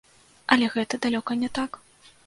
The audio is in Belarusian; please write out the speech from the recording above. Але гэта далёка не так.